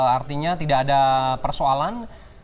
artinya tidak ada persoalan